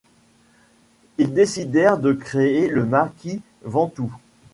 Ils décidèrent de créer le maquis Ventoux.